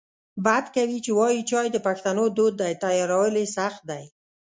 بد کوي چې وایې چای د پښتنو دود دی تیارول یې سخت دی